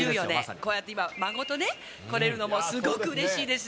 こうやって今、孫とね、来れるのもすごくうれしいです。